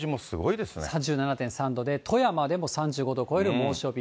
３７．３度で、富山でも３５度を超える猛暑日。